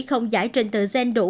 không giải trên tờ gen đủ